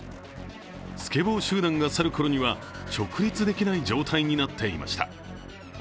スケボー集団が去るころには直立できない状態になっていました。